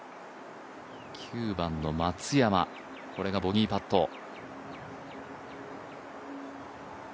９番の松山、こらがボギーパット。